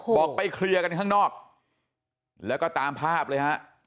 ไปเคลียร์กันข้างนอกแล้วก็ตามภาพเลยฮะ